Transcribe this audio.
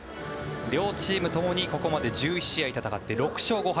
両チームともにここまで１１試合戦って６勝５敗。